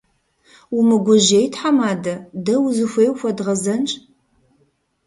Умыгужьей, тхьэмадэ, дэ узыхуей ухуэдгъэзэнщ.